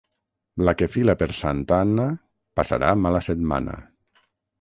La que fila per Santa Anna, passarà mala setmana.